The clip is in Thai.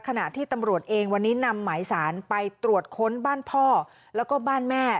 ขณะที่ตำรวจเองวันนี้นำหมายสารไปตรวจค้นบ้านพ่อแล้วก็บ้านแม่